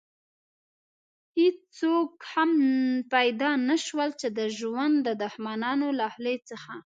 هېڅوک هم پيدا نه شول چې د ژوند د دښمنانو له خولې څخه.